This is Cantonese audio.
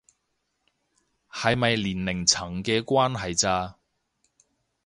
係咪年齡層嘅關係咋